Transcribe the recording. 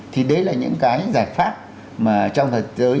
thì đấy là những cái giải pháp mà trong thế giới